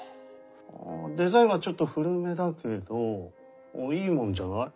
デザインはちょっと古めだけどいいもんじゃない？